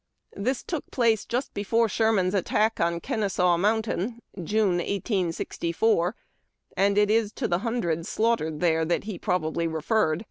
This took place just before Sherman's attack on Kenesaw Mountain (June, 1864), and it is to the hundreds shiughtered there that he probably refers.